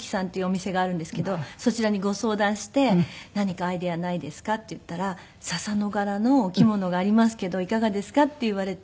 そちらにご相談して「何かアイデアないですか？」って言ったら「笹の柄のお着物がありますけどいかがですか？」って言われて。